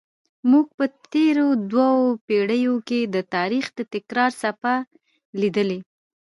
موږ په تېرو دوو پیړیو کې د تاریخ د تکرار څپه لیدلې.